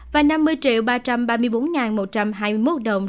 và năm mươi ba trăm ba mươi bốn một trăm hai mươi một đồng